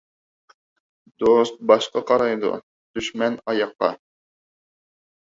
دوست باشقا قارايدۇ، دۈشمەن ئاياققا.